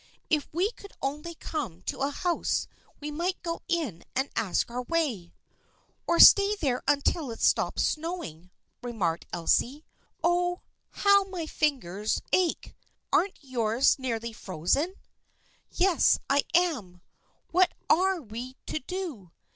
If we could only come to a house we might go in and ask our way." " Or stay there until it stops snowing," remarked Elsie. " Oh, how my ringers ache ! Aren't you nearly frozen ?"" Yes, I am. What are we to do?